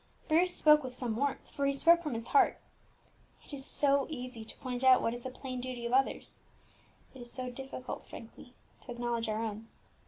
Bruce spoke with some warmth, for he spoke from his heart. It is so easy to point out what is the plain duty of others; it is so difficult frankly to acknowledge our own.